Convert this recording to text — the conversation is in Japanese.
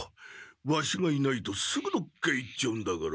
ワシがいないとすぐどっか行っちゃうんだから。